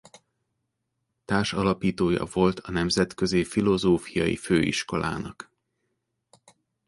Társalapítója volt a Nemzetközi Filozófiai Főiskolának.